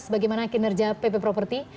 bagaimana kinerja pp property